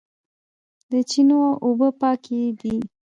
د چینو اوبه پاکې دي